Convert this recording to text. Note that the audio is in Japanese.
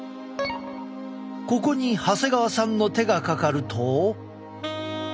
ここに長谷川さんの手がかかると。